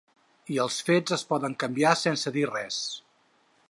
I els fets es poden canviar sense dir res.